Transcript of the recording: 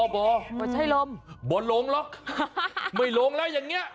บ่อใช่ลมบ่อลงหรอกไม่ลงแล้วอย่างนี้